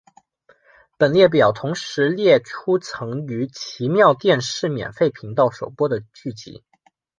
本列表同时列出曾于奇妙电视免费频道首播的剧集。